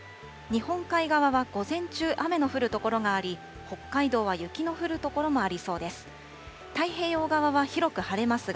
日本海側は午前中、雨の降る所があり、北海道は雪の降る所もありそうです。